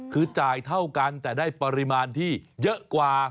คือจ่ายเท่ากันแต่ได้ปริมาณที่เยอะกว่า